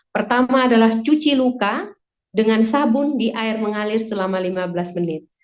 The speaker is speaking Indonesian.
pertama adalah cuci luka dengan sabun di air mengalir selama lima belas menit